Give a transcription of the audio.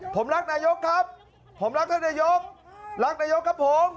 ผมรักนายกครับผมรักท่านนายกรักนายกครับผม